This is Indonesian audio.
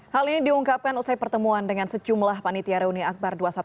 hal ini diungkapkan usai pertemuan dengan sejumlah panitia reuni akbar dua ratus dua belas